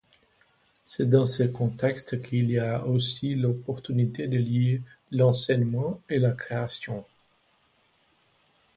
C'est dans ce contexte qu'il a aussi l'opportunité de lier l’enseignement et la création.